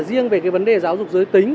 riêng về cái vấn đề giáo dục giới tính